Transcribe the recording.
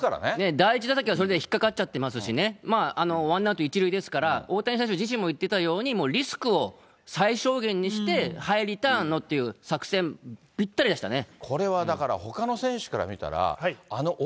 第１打席はそれで引っかかっちゃってますしね、ワンアウト１塁ですから、大谷選手自身も言ってたように、リスクを最小限にして、ハイリターンをっていう作戦、ぴったりでしたね。